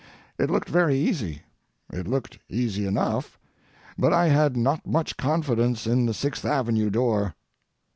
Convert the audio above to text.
It looked very easy. It looked easy enough, but I had not much confidence in the Sixth Avenue door.